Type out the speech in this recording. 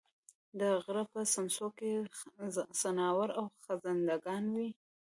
د غرۀ په څمڅو کې ځناور او خزندګان وي